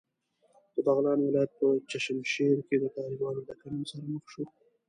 د بغلان ولایت په چشمشېر کې د طالبانو د کمین سره مخ شوو.